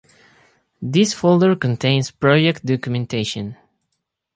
This folder contains project documentation